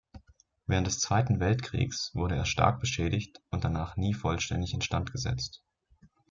Während des Zweiten Weltkriegs wurde er stark beschädigt und danach nie vollständig instand gesetzt.